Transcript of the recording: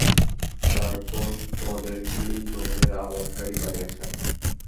তারপর তোমাদেরকেই যমীনের আবাদকারী বানিয়েছেন।